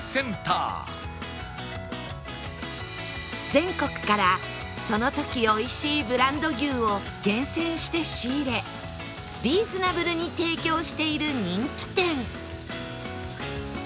全国からその時おいしいブランド牛を厳選して仕入れリーズナブルに提供している人気店